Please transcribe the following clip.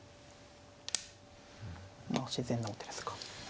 まあ自然な王手ですか。